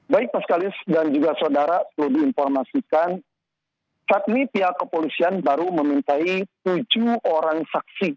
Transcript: baik mas kalis dan juga saudara perlu diinformasikan saat ini pihak kepolisian baru memintai tujuh orang saksi